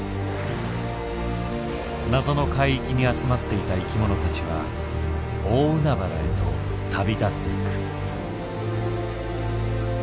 謎の海域に集まっていた生きものたちは大海原へと旅立っていく。